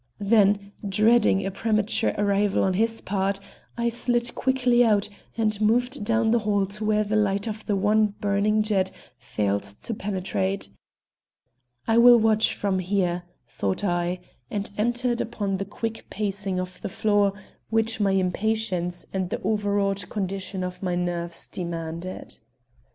Then, dreading a premature arrival on his part, I slid quickly out and moved down the hall to where the light of the one burning jet failed to penetrate. "I will watch from here," thought I, and entered upon the quick pacing of the floor which my impatience and the overwrought condition of my nerves demanded.